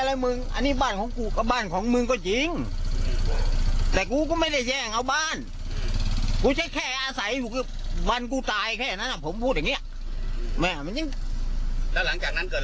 แล้วหลังจากนั้นเกิดอะไรขึ้น